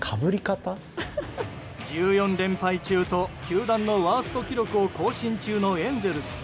１４連敗中と球団ワースト記録を更新中のエンゼルス。